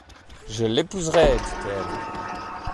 Je l’épouserais, dit-elle.